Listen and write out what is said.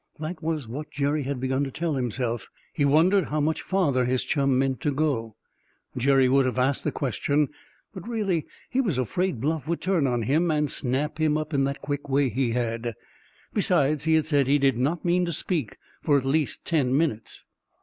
That was what Jerry had begun to tell himself. He wondered how much farther his chum meant to go. Jerry would have asked the question, but really he was afraid Bluff would turn on him and snap him up in that quick way he had. Besides, he had said he did not mean to speak for at least ten minutes.